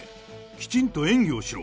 きちんと演技をしろ！